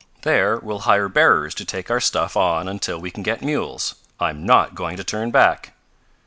There we'll hire bearers to take our stuff on until we can get mules. I'm not going to turn back!"